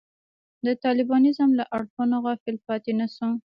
د طالبانیزم له اړخونو غافل پاتې نه شو.